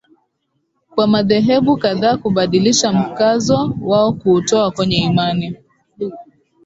kwa madhehebu kadhaa kubadilisha mkazo wao kuutoa kwenye imani